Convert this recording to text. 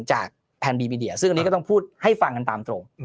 แพนบีมีเดียซึ่งอันนี้ก็ต้องพูดให้ฟังกันตามตรง